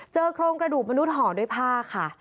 โครงกระดูกมนุษย่อด้วยผ้าค่ะ